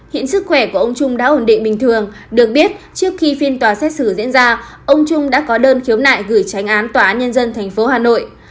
hiện sức khỏe của ông trung đã ổn định bình thường được biết trước khi phiên tòa xét xử diễn ra ông trung đã có đơn khiếu nại gửi tránh án tòa án nhân dân tp hà nội